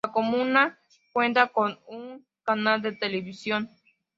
La comuna cuenta con un canal de televisión.